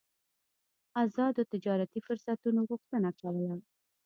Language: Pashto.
ازادو تجارتي فرصتونو غوښتنه کوله.